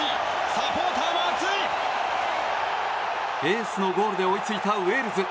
エースのゴールで追いついたウェールズ。